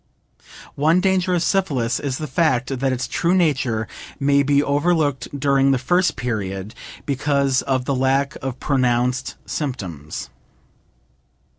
One danger of syphilis is the fact that its true nature may be overlooked during the first period, because of the lack of pronounced symptoms.